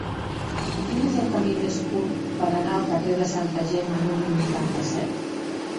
Quin és el camí més curt per anar al carrer de Santa Gemma número noranta-set?